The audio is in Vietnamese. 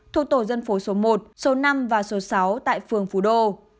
thuộc tổ dân phố số một số năm và số sáu tại phường phú đô